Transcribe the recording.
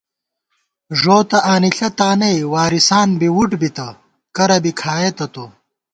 ݫوتہ آنِݪہ تانَئ ، وارِثان بی وُٹ بِتہ ، کرہ بی کھائېتہ تو